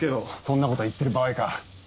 そんなこと言ってる場合か？